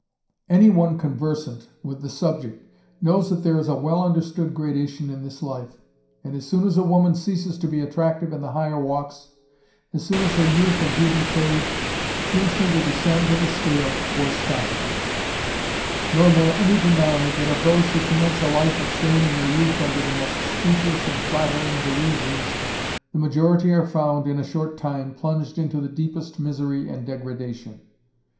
Any one conversant with the subject knows that there is a well understood gradation in this life, and as soon as a woman ceases to be attractive in the higher walks, as soon as her youth and beauty fade, she must either descend in the scale or starve. Nor will any deny that of those who commence a life of shame in their youth under the most specious and flattering delusions, the majority are found, in a short time, plunged into the deepest misery and degradation.